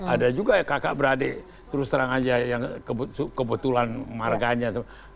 ada juga kakak beradik terus terang aja yang kebetulan marganya